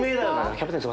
「キャプテン翼」